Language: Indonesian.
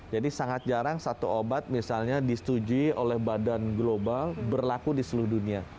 jadi sangat jarang satu obat misalnya disetujui oleh badan global berlaku di seluruh dunia